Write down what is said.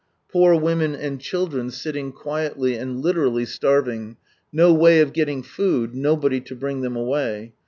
Poor women and children sitting quietly and literally starving ; no way of getting food ; nobody to bring them away.